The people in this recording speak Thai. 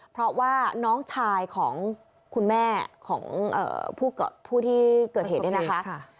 เพราะว่าน้องชายของคุณแม่ของผู้ที่เกิดเหตุเนี่ยนะคะ